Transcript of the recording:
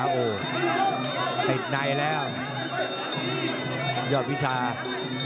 ยอดมีชาสต์